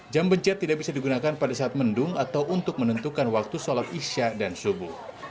jam bencet tidak bisa digunakan pada saat mendung atau untuk menentukan waktu sholat isya dan subuh